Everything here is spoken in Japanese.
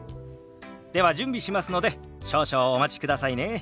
では準備しますので少々お待ちくださいね。